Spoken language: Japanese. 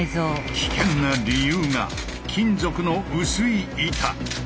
危険な理由が金属の薄い板。